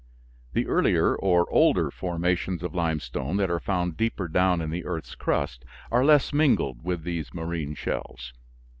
The earlier or older formations of limestone that are found deeper down in the earth's crust are less mingled with these marine shells.